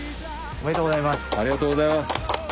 ありがとうございます。